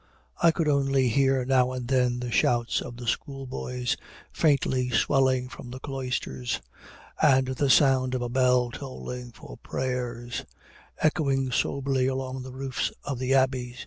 I could only hear now and then the shouts of the school boys faintly swelling from the cloisters, and the sound of a bell tolling for prayers, echoing soberly along the roofs of the abbey.